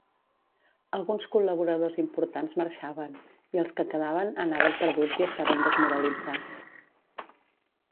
Alguns col·laboradors importants marxaven, i els que quedaven anaven perduts i estaven desmoralitzats.